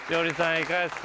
いかがですか？